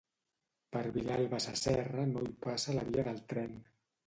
Per Vilalba Sasserra no hi passa la via del tren